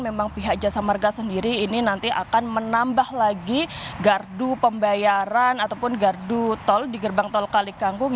memang pihak jasa marga sendiri ini nanti akan menambah lagi gardu pembayaran ataupun gardu tol di gerbang tol kalikangkung